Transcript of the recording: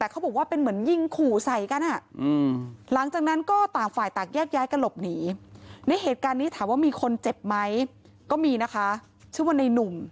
ก็หลบหนีในเหตุการณ์นี้ถามว่ามีคนเจ็บไหมก็มีนะคะชื่อว่าในนุ่ม